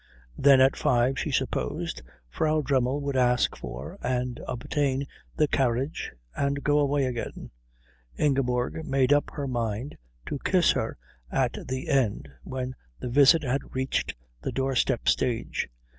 Then at five, she supposed, Frau Dremmel would ask for and obtain the carriage and go away again. Ingeborg made up her mind to kiss her at the end when the visit had reached the doorstep stage.